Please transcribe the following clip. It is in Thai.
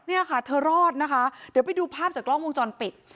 เนี่ยค่ะเธอรอดนะคะเดี๋ยวไปดูภาพจากกล้องวงจรปิด